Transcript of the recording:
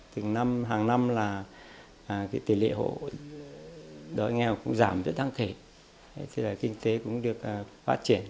từng năm hàng năm là tỷ lệ hộ đói nghèo cũng giảm rất đáng khệ thì là kinh tế cũng được phát triển